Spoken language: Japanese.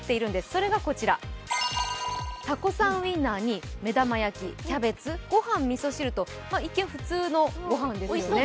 それがこちら、タコさんウインナーに目玉焼き、ご飯、みそ汁と一見普通のご飯ですよね。